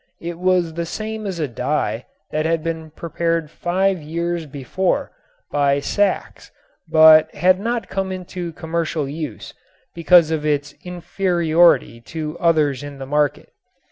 It was the same as a dye that had been prepared five years before by Sachs but had not come into commercial use because of its inferiority to others in the market.